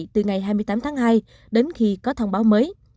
từ ngày hai mươi tám tháng hai đến khi có thông báo mới